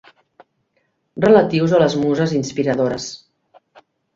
Relatius a les muses inspiradores.